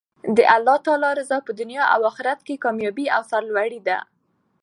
د الله تعالی رضاء په دنیا او اخرت کښي کاميابي او سر لوړي ده.